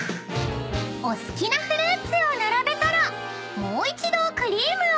［お好きなフルーツを並べたらもう一度クリームを塗り］